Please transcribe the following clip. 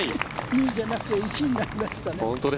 ２位じゃなくて１位になりましたね。